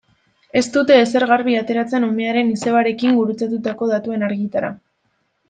Ez dute ezer garbi ateratzen umearen izebarekin gurutzatutako datuen argitara.